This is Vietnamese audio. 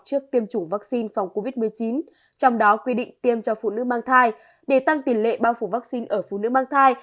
trước tiêm chủng vaccine phòng covid một mươi chín trong đó quy định tiêm cho phụ nữ mang thai để tăng tỷ lệ bao phủ vaccine ở phụ nữ mang thai